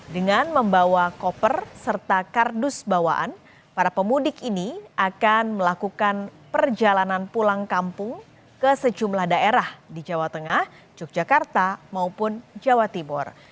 dengan membawa koper serta kardus bawaan para pemudik ini akan melakukan perjalanan pulang kampung ke sejumlah daerah di jawa tengah yogyakarta maupun jawa timur